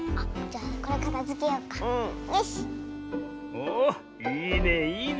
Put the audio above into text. おいいねいいね。